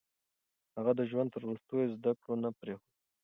هغه د ژوند تر وروستيو زده کړه نه پرېښوده.